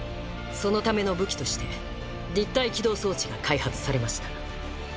そのための武器として立体機動装置が開発されました。